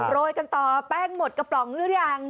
โรยกันต่อแป้งหมดกระป๋องหรือยัง